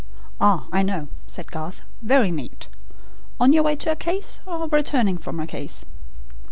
"Ah, I know," said Garth. "Very neat. On your way to a case, or returning from a case?"